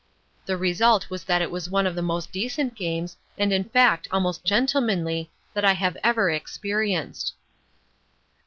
The result was that it was one of the most decent games and in fact almost gentlemanly that I have ever experienced."